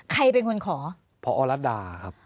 ใครเป็นคนขอพอรัฐดาครับ